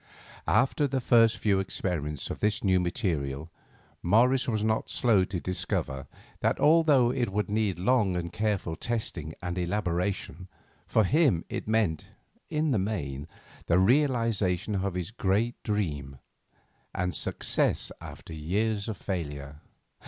After the first few experiments with this new material Morris was not slow to discover that although it would need long and careful testing and elaboration, for him it meant, in the main, the realisation of his great dream, and success after years of failure.